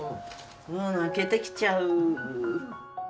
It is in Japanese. もう泣けてきちゃう。